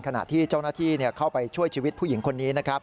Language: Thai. ขณะที่เจ้าหน้าที่เข้าไปช่วยชีวิตผู้หญิงคนนี้นะครับ